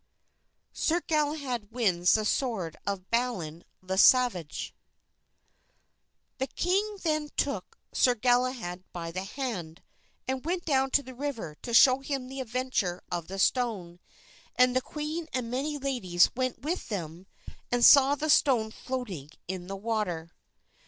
Sir Galahad Wins the Sword of Balin Le Savage The king then took Sir Galahad by the hand, and went down to the river to show him the adventure of the stone, and the queen and many ladies went with them and saw the stone floating in the water.